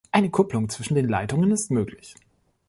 Eine Kupplung zwischen den Leitungen ist möglich.